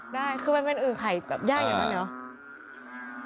ได้คือมันคือไข่แบบย่างอย่างนั้นเนี่ย